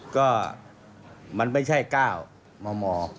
ก็มันไม่ใช่ก้าวมม